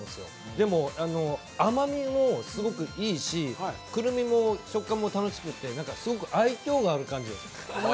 でも、甘みもすごくいいし、クルミの食感も楽しくてすごく愛きょうがある感じです。